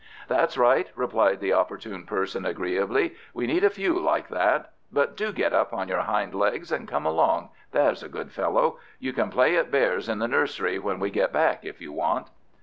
"That's right," replied the opportune person agreeably; "we need a few like that. But do get up on your hind legs and come along, there's a good fellow. You can play at bears in the nursery when we get back, if you want."